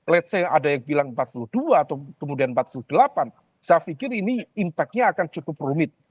⁇ lets ⁇ say ada yang bilang empat puluh dua atau kemudian empat puluh delapan saya pikir ini impact nya akan cukup rumit